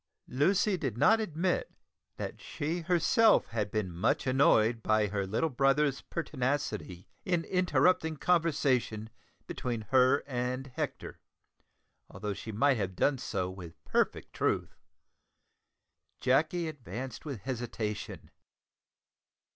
Lucy did not admit that she herself had been much annoyed by her little brother's pertinacity in interrupting conversation between her and Hector, although she might have done so with perfect truth. Jacky advanced with hesitation.